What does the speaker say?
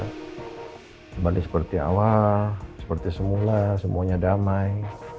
kembali seperti awal seperti semula semuanya damai